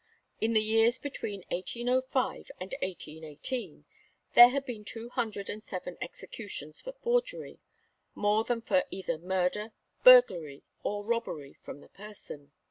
In the years between 1805 and 1818 there had been two hundred and seven executions for forgery; more than for either murder, burglary, or robbery from the person.